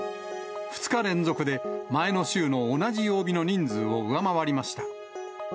２日連続で前の週の同じ曜日の人数を上回りました。